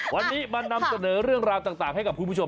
วันนี้มานำเสนอเรื่องราวต่างให้กับคุณผู้ชม